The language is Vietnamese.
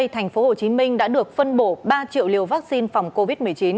thành phố hồ chí minh đã được phân bổ ba triệu liều vaccine phòng covid một mươi chín